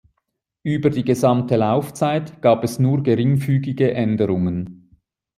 Über die gesamte Laufzeit gab es nur geringfügige Änderungen.